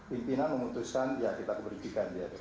pimpinan memutuskan ya kita kebersihkan dia